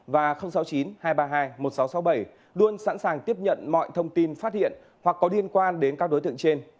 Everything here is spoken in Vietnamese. và sáu mươi chín hai trăm ba mươi hai một nghìn sáu trăm sáu mươi bảy luôn sẵn sàng tiếp nhận mọi thông tin phát hiện hoặc có liên quan đến các đối tượng trên